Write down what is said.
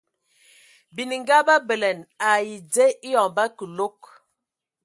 Bininga ba bələna ai dze eyoŋ ba kəlɔg.